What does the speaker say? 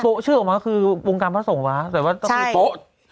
โปะชื่อออกมาก็คือวงการพระสงวัตถ์แต่ว่าตกโปะ